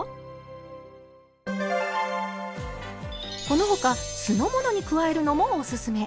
この他酢の物に加えるのもおすすめ。